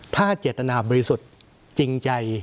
ถ้าเจตนาบริสุทธิ์จริงใจ